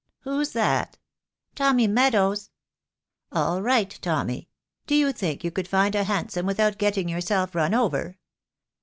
"Who's that?" "Tommy Meadows." "All right, Tommy. Do you think you could find a hansom without getting yourself run over?"